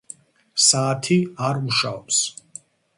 საათი არ მუშაობს